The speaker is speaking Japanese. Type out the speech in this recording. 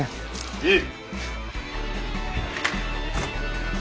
いい！